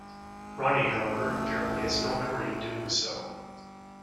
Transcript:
Ronnie, however, apparently has no memory of doing so.